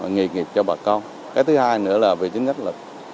nghề nghiệp cho bà con cái thứ hai nữa là về chính sách lực